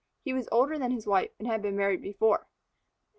He was older than his wife and had been married before.